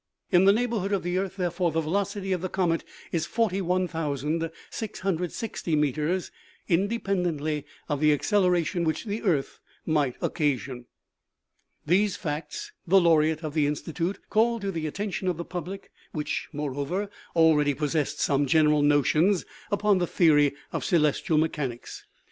In the neighborhood of the earth, therefore, the velocity of the comet is 41,660 meters, in dependently of the acceleration which the earth might occasion. These facts the laureate of the Institute called to the attention of the public which, moreover, already pos sessed some general notions upon the theory of celes tial mechanics.